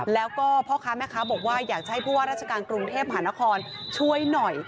แล้วก็พ่อค้าแม่ค้าบอกว่าอยากจะให้ผู้ว่าราชการกรุงเทพหานครช่วยหน่อย